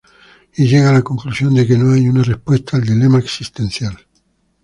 Y llega a la conclusión de que no hay una respuesta al dilema existencial.